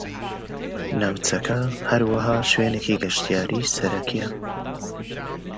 The area is also a major tourist destination.